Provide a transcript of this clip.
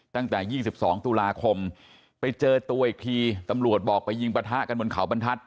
ตั้งแต่๒๒ตุลาคมไปเจอตัวอีกทีตำรวจบอกไปยิงประทะกันบนเขาบรรทัศน